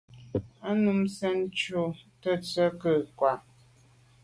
A num nzin njù tèttswe nke nkwa’a.